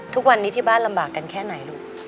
ทุกวันนี้ที่บ้านลำบากกันแค่ไหนลูก